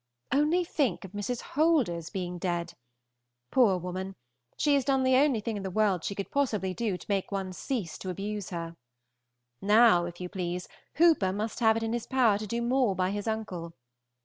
Only think of Mrs. Holder's being dead! Poor woman, she has done the only thing in the world she could possibly do to make one cease to abuse her. Now, if you please, Hooper must have it in his power to do more by his uncle.